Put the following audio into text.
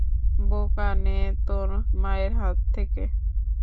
বোকা, নে তোর মায়ের হাত থেকে।